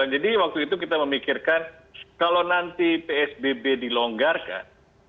jadi waktu itu kita memikirkan kalau nanti psbb dilonggarkan